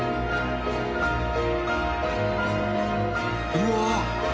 うわ！